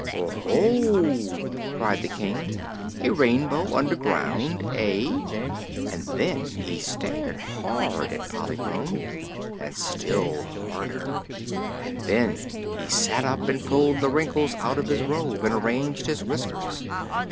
"Oho!" cried the King; "a Rainbow under ground, eh?" and then he stared hard at Polychrome, and still harder, and then he sat up and pulled the wrinkles out of his robe and arranged his whiskers.